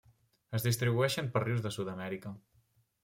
Es distribueixen per rius de Sud-amèrica.